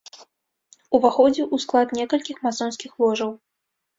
Уваходзіў у склад некалькіх масонскіх ложаў.